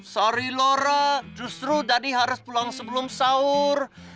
sorry lora justru tadi harus pulang sebelum sahur